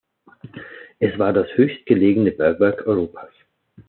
Es war das höchstgelegene Bergwerk Europas.